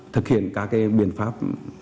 thực hiện các biện pháp